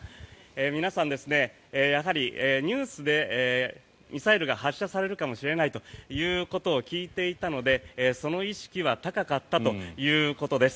皆さん、やはりニュースでミサイルが発射されるかもしれないということを聞いていたのでその意識は高かったということです。